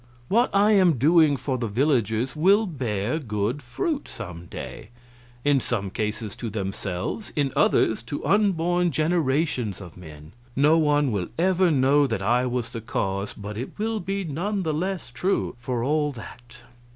What I am doing for the villagers will bear good fruit some day; in some cases to themselves; in others, to unborn generations of men. No one will ever know that I was the cause, but it will be none the less true, for all that.